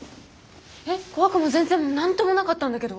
えっ怖くも全然何ともなかったんだけど。